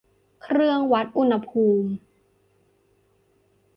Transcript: เครื่องวัดอุณหภูมิ